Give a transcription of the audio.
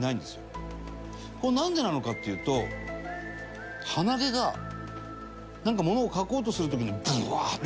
これなんでなのかっていうと鼻毛がなんかものを書こうとする時にブワーッて。